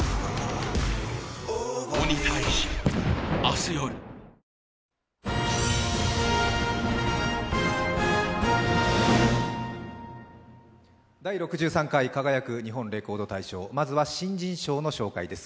日本レコード大賞」、まずは新人賞の紹介です。